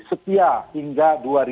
setia hingga dua ribu dua puluh empat